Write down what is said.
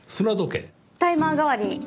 タイマー代わりに。